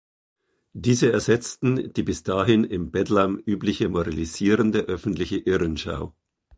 Diese ersetzten die bis dahin im Bedlam übliche moralisierende öffentliche „Irren-Schau“.